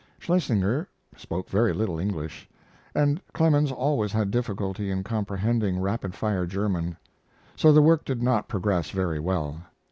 Schlesinger spoke very little English, and Clemens always had difficulty in comprehending rapid fire German. So the work did not progress very well.